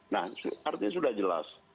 nah artinya sudah jelas